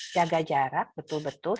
jaga jarak betul betul